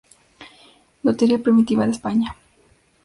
Lotería Primitiva de España